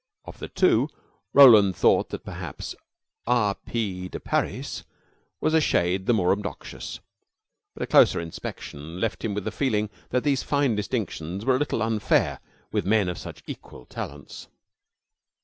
Of the two, Roland thought that perhaps R. P. de Parys was a shade the more obnoxious, but a closer inspection left him with the feeling that these fine distinctions were a little unfair with men of such equal talents.